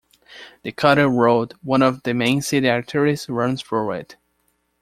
The Calder Road, one of the main city arteries, runs through it.